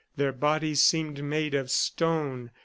Their bodies seemed made of stone.